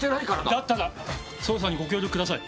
だったら捜査にご協力ください。